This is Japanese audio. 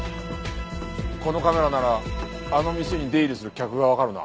このカメラならあの店に出入りする客がわかるな。